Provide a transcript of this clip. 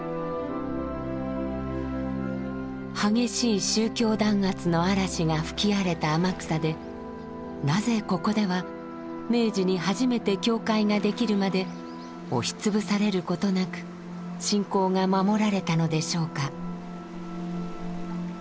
激しい宗教弾圧の嵐が吹き荒れた天草でなぜここでは明治に初めて教会ができるまで押しつぶされることなく信仰が守られたのでしょうか。